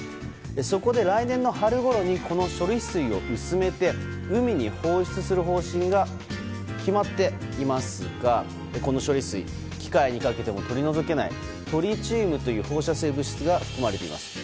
そこで来年の春ごろにこの処理水を薄めて海に放出する方針が決まっていますがこの処理水機械にかけても取り除けないトリチウムという放射性物質が含まれています。